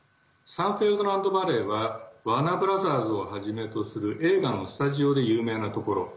サンフェルナンド・バレーはワーナー・ブラザーズをはじめとする映画のスタジオで有名なところ。